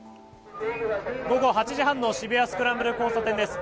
午後８時半の渋谷スクランブル交差点です。